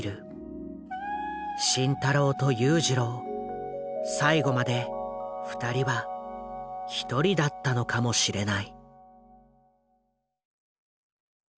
慎太郎と裕次郎最期までふたりは一人だったのかもしれない。